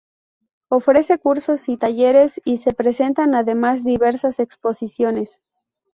Ofrece cursos y talleres, y se presentan además diversas exposiciones.